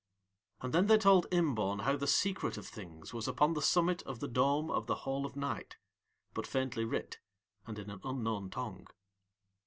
And then they told Imbaun how The Secret of Things was upon the summit of the dome of the Hall of Night, but faintly writ, and in an unknown tongue.